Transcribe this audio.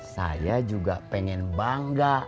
saya juga pengen bangga